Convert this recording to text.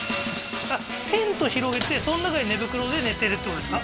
テント広げてその中で寝袋で寝てるってことですか？